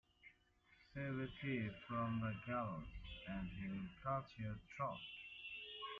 Save a thief from the gallows and he will cut your throat.